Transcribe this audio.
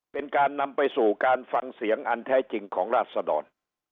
เป็นการนำไปสู่การฟังเสียงอันแท้จริงของราศดร